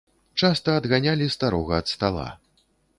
Часта адганялі старога ад стала.